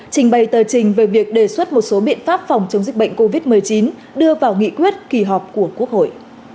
trình bày tờ trình về việc đề xuất một số biện pháp phòng chống dịch bệnh covid một mươi chín đưa vào nghị quyết kỳ họp của quốc hội